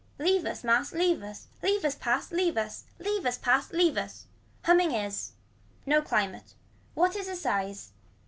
Leave us mass leave us. Leave us pass. Leave us. Leave us pass leave us. Humming is. No climate. What is a size.